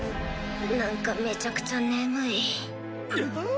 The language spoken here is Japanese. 何かめちゃくちゃ眠い